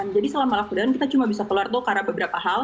jadi selama lockdown kita cuma bisa keluar tuh karena beberapa hal